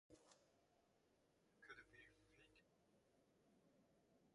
A heater could be fitted as an option.